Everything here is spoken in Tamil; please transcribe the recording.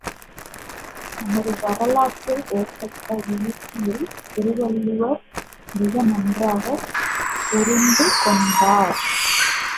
நமது வரலாற்றில் ஏற்பட்ட வீழ்ச்சியைத் திருவள்ளுவர் மிக நன்றாகப் புரிந்து கொண்டார்.